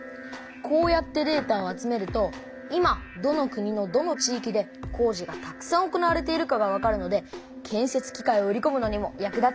こうやってデータを集めると今どの国のどの地いきで工事がたくさん行われているかがわかるので建せつ機械を売りこむのにも役立つんだそうですよ。